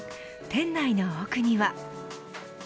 店内の奥には。